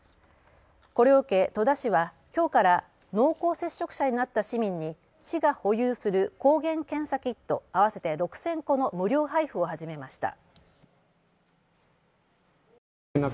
これを受け戸田市はきょうから濃厚接触者になった市民に市が保有する抗原検査キット合わせて６０００個の無料配布を始めました。